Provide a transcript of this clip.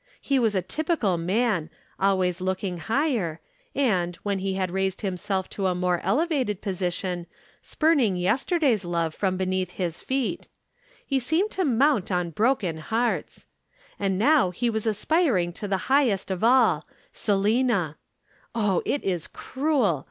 He was a typical man always looking higher, and, when he had raised himself to a more elevated position, spurning yesterday's love from beneath his feet. He seemed to mount on broken hearts. And now he was aspiring to the highest of all Selina. Oh it is cruel!